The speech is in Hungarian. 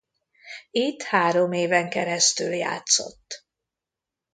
Itt három éven keresztül játszott.